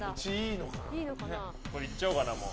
いっちゃおうかな、もう。